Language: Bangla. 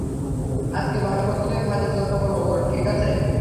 আজকে ভালোমতোই খাতির যত্ন করবো ওর, ঠিকাছে?